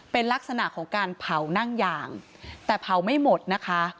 เป็นลักษณะของการเผานั่งยางแต่เผาไม่หมดนะคะ